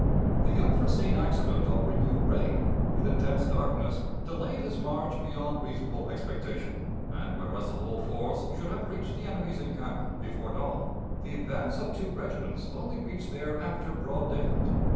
The unforeseen accident of renewed rain, with intense darkness, delayed his march beyond reasonable expectation; and, whereas the whole force should have reached the enemy's encampment before dawn, the advance of two regiments only reached there after broad daylight.